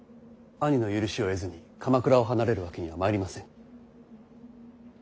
兄の許しを得ずに鎌倉を離れるわけにはまいりません。